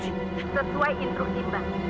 sesuai instruksi mbak